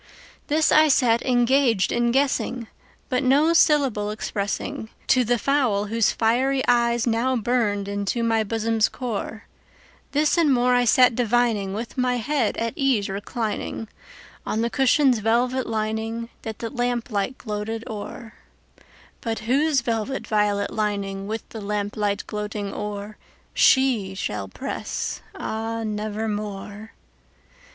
This I sat engaged in guessing, but no syllable expressingTo the fowl whose fiery eyes now burned into my bosom's core; This and more I sat divining, with my head at ease recliningOn the cushion's velvet lining that the lamplight gloated o'er, But whose velvet violet lining with the lamp light gloating o'erShe shall press, ah, nevermore!